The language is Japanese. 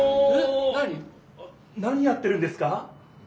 何やってるんですか？